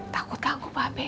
takut takut mbak be